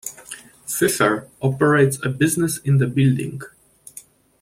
Fisher, operates a business in the building.